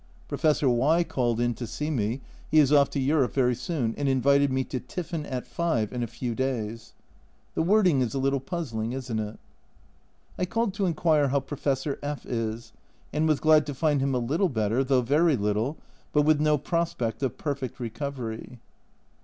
Professor Y called in to see me (he is off to Europe very soon) ; and invited me to " tiffin at 5 " in a few days. The wording is a little puzzling, isn't it? I called to inquire how Professor F is, and was glad to find him a little better, though very little, but with no prospect of perfect recovery.